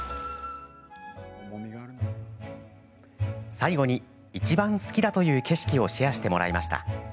最後にいちばん好きだという景色をシェアしてもらいました。